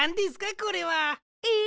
これは。え！？